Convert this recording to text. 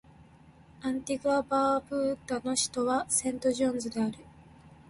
アンティグア・バーブーダの首都はセントジョンズである